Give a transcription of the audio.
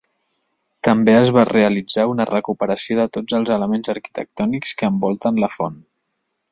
També es va realitzar una recuperació de tots els elements arquitectònics que envolten la font.